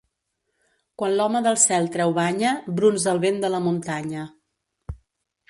Quan l'home del cel treu banya, brunz el vent de la muntanya.